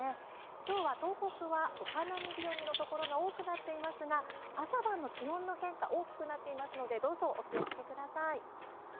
きょうは東北はお花見日和のところが多くなっていますが朝晩の気温の変化大きくなっていますのでどうぞお気をつけください。